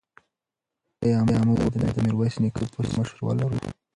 ایا موږ به بیا د میرویس نیکه په څېر مشر ولرو؟